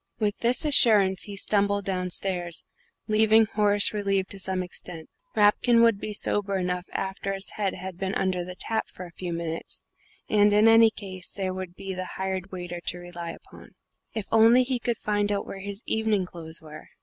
With this assurance he stumbled downstairs, leaving Horace relieved to some extent. Rapkin would be sober enough after his head had been under the tap for a few minutes, and in any case there would be the hired waiter to rely upon. If he could only find out where his evening clothes were!